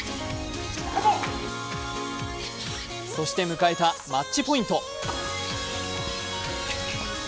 そして迎えたマッチポイント。